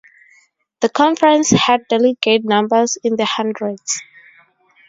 The conference had delegate numbers in the hundreds.